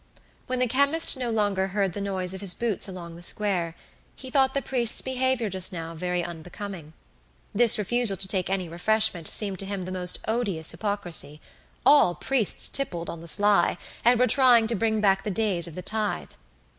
When the chemist no longer heard the noise of his boots along the square, he thought the priest's behaviour just now very unbecoming. This refusal to take any refreshment seemed to him the most odious hypocrisy; all priests tippled on the sly, and were trying to bring back the days of the tithe.